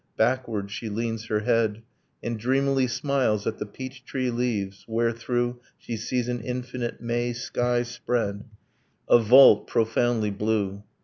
Backward she leans her head, And dreamily smiles at the peach tree leaves, wherethrough She sees an infinite May sky spread A vault profoundly blue.